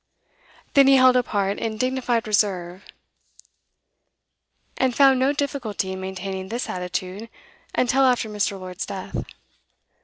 Then he held apart in dignified reserve, and found no difficulty in maintaining this attitude until after Mr. Lord's death.